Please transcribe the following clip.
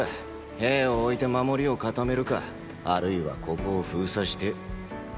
兵を置いて守りを固めるかあるいはここを封鎖してーー。